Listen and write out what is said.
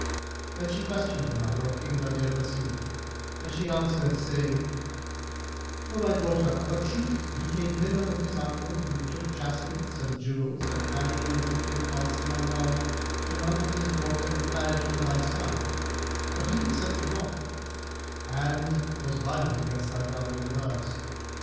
Then she questioned her mother of King Badr Basim, and she answered, saying, "O my daughter, of a truth he came hither with his uncle, who took jacinths and jewels and carrying them to King Al Samandal, demanded his daughter in marriage for thy son but he consented not and was violent against thy brother in words.